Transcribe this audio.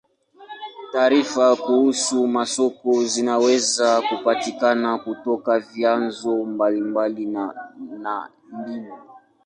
Taarifa kuhusu masoko zinaweza kupatikana kutoka vyanzo mbalimbali na na mbinu.